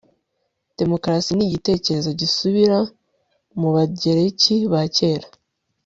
demokarasi ni igitekerezo gisubira mu bagereki ba kera